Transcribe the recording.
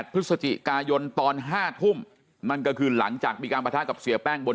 พฤศจิกายนตอน๕ทุ่มนั่นก็คือหลังจากมีการประทะกับเสียแป้งบน